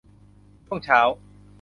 ช่วงเช้า